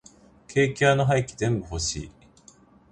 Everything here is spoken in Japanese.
ケーキ屋の廃棄全部欲しい。